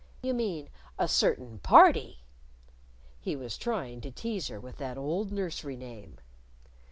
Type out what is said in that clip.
"You mean 'a certain party.'" He was trying to tease her with that old nursery name!